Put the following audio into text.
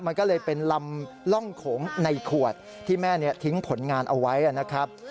มันก็เลยเป็นลำร่องโขงในขวดที่แม่ทิ้งผลงานเอาไว้นะครับ